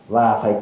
và phải trả lời